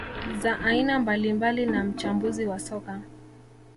za aina mbalimbali na mchambuzi wa soka